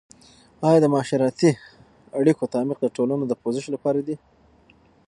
آیا د معاشرتي اړیکو تعمیق د ټولنو د پوزش لپاره دی؟